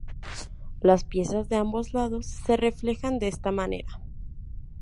Las piezas de ambos lados se "reflejan" de esta manera.